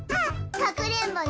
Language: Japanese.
かくれんぼね。